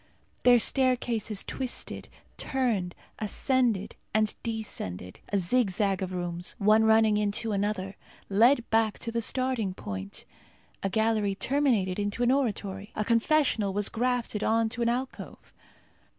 Their staircases twisted, turned, ascended, and descended. A zigzag of rooms, one running into another, led back to the starting point. A gallery terminated in an oratory. A confessional was grafted on to an alcove.